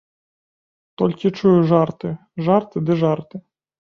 Толькі чую жарты, жарты ды жарты.